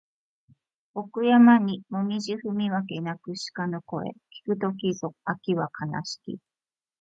奥山にもみぢ踏み分け鳴く鹿の声聞く時ぞ秋は悲しき